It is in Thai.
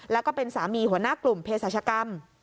แล้วก็เป็นสามีหัวหน้ากลุ่มเพศรัชกรรม